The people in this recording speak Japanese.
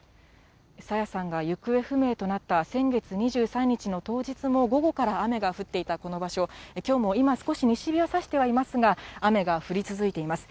朝芽さんが行方不明となった先月２３日の当日も、午後から雨が降っていたこの場所、きょうも今、少し西日が差していますが、雨が降り続いています。